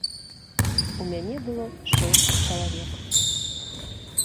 У мяне было шэсць чалавек.